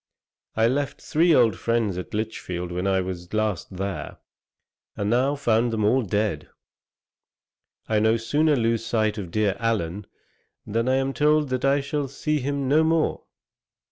I left three old friends at Lichfield when I was last there, and now found them all dead. I no sooner lose sight of dear Allen, than I am told that I shall see him no more.